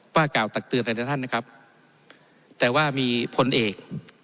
ว่ากล่าวตักเตือนกันนะครับแต่ว่ามีผลเอก